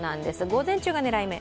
午前中が狙い目。